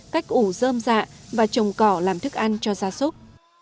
cách ủ dơm dạ và trồng cỏ làm thức ăn cho gia súc